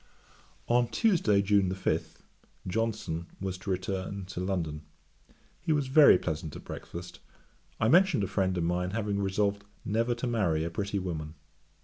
On Tuesday, June 5, Johnson was to return to London. He was very pleasant at breakfast; I mentioned a friend of mine having resolved never to marry a pretty woman.